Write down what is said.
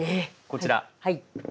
こちら。